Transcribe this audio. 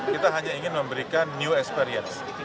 kita hanya ingin memberikan new experience